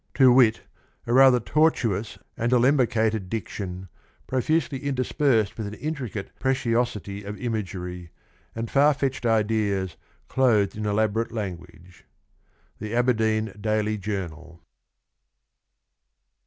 : to wit, a rather tortuous and alembicated diction, profusely interspersed with an intricate preciosity of imagery, and far fetched ideas clothed in elaborate language. — The Aberdeen Daily Journal.